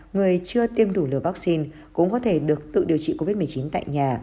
người chưa tiêm đủ liều vaccine cũng có thể được tự điều trị covid một mươi chín tại nhà